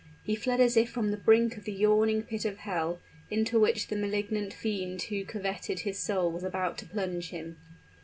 He fled as if from the brink of the yawning pit of hell, into which the malignant fiend who coveted his soul was about to plunge him.